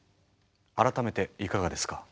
改めていかがですか？